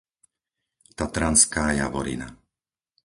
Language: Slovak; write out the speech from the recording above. Tatranská Javorina